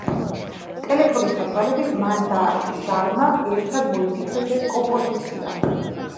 ტელეფონის საშუალებით მან და ჟარმა ერთად მოიფიქრეს ეს კომპოზიცია.